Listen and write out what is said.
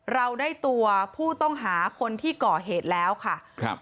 เราได้ตัวผู้ต้องหาคนที่ก่อเหตุแล้วค่ะครับ